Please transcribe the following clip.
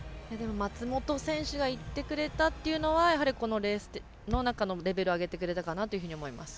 松本選手がいってくれたっていうのはこのレースの中のレベルを上げてくれたかなと思います。